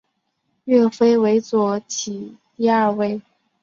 岳飞为左起第二位。